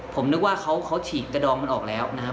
ผมนึกว่าเขาฉีกกระดองมันออกแล้วนะครับ